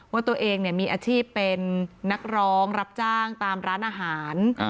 ว่าตัวเองมีอาชีพเป็นนักร้องรับจ้างตามร้านอาหาร